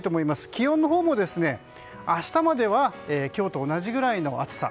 気温のほうも明日までは今日と同じぐらいの暑さ。